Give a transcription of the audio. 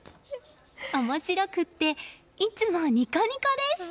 面白くていつもニコニコです。